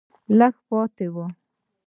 لږه پاتې وه